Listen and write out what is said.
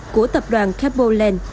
của tập đoàn kepo land